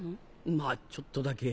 まぁちょっとだけ。